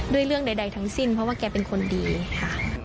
เรื่องใดทั้งสิ้นเพราะว่าแกเป็นคนดีค่ะ